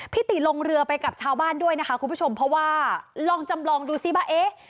ติลงเรือไปกับชาวบ้านด้วยนะคะคุณผู้ชมเพราะว่าลองจำลองดูซิว่าเอ๊ะ